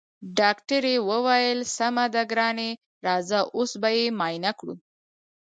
ډاکټرې وويل سمه ده ګرانې راځه اوس به يې معاينه کړو.